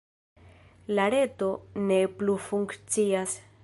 La reto ne plu funkcias.